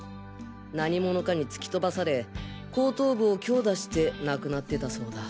何者かに突き飛ばされ後頭部を強打して亡くなってたそうだ。